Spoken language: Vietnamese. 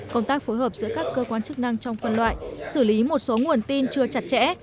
công tác phối hợp giữa các cơ quan chức năng trong phân loại xử lý một số nguồn tin chưa chặt chẽ